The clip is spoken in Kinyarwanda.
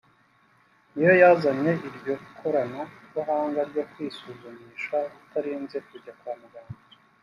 niyo yazanye iryo korana buhanga ryo kwisuzumisha utarinze kujya kwa muganga